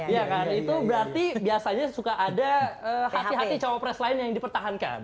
ya kan itu berarti biasanya suka ada hati hati cawapres lain yang dipertahankan